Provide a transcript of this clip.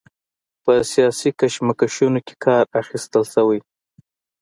په سیاسي کشمکشونو کې کار اخیستل شوی.